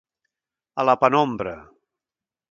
A la penombra.